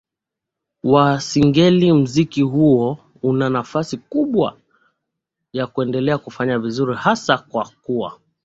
wa Singeli Muziki huu una nafasi kubwa ya kuendelea kufanya vizuri hasa kwa kuwa